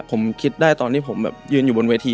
ผมคิดได้ตอนที่ผมแบบยืนอยู่บนเวที